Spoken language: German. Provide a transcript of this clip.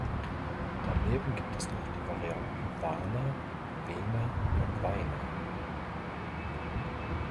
Daneben gibt es noch die Varianten "Wahner", "Wehner" und "Weiner".